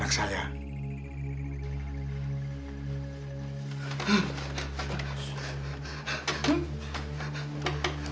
tidak ada perubahan